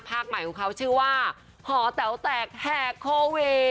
ใหม่ของเขาชื่อว่าหอแต๋วแตกแหกโคเว